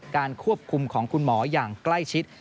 ควบคุมของคุณหมออย่างใกล้ชิด